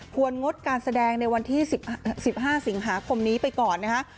งดการแสดงในวันที่๑๕สิงหาคมนี้ไปก่อนนะคะ